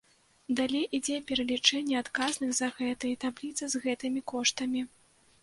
Далей ідзе пералічэнне адказных за гэта і табліца з гэтымі коштамі.